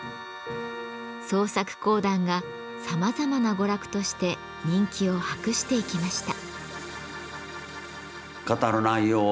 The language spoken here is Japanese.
創作講談がさまざまな娯楽として人気を博していきました。